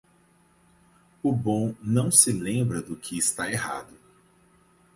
O bom não se lembra do que está errado.